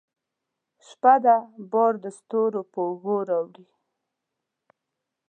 شپه ده بار دستورو په اوږو راوړي